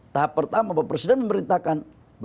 tahap pertama bapak presiden memerintahkan